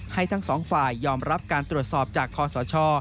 ทั้งสองฝ่ายยอมรับการตรวจสอบจากคอสช